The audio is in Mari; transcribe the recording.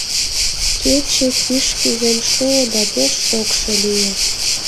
Кече кӱш кӱзен шуо да пеш шокшо лие.